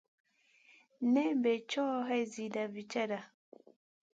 Nen bè co hai slina cata.